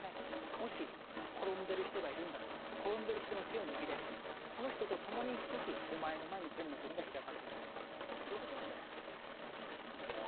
もし転んでる人がいるんだったら転んでる人の手を握れってその人と共に行く時お前の前に天の国が開かれるだろうってそういうことなんじゃないかなと思うんですよね。